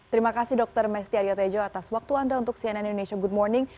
terima kasih dokter mesty aryo tejo atas waktu anda untuk cnn indonesia good morning